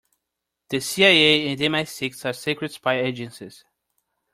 The CIA and MI-Six are secret spy agencies.